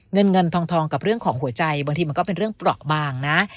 เงินเงินทองกับเรื่องของหัวใจบางทีมันก็เป็นเรื่องเปราะบางนะ